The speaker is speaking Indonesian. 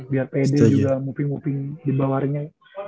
biar ped juga moving moving dibawah ringnya